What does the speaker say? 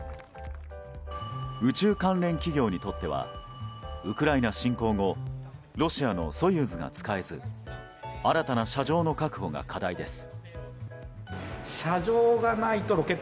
宇宙関連企業にとってはウクライナ侵攻後ロシアの「ソユーズ」が使えず新たな射場の確保が課題です。